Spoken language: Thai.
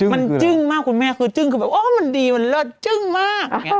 มันจึ้งมากคุณแม่คือจึ้งรู้ว่ามันดีจึ้งมาก